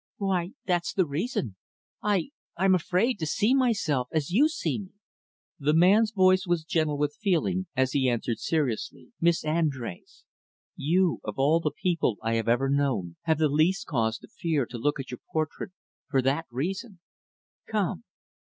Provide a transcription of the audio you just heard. "Why, that's the reason. I I'm afraid to see myself as you see me." The man's voice was gentle with feeling as he answered seriously, "Miss Andrés, you, of all the people I have ever known, have the least cause to fear to look at your portrait for that reason. Come."